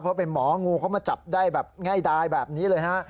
เพราะเป็นหมองูเขามาจับได้แบบง่ายดายแบบนี้เลยฮะ